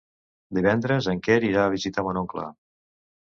Divendres en Quer irà a visitar mon oncle.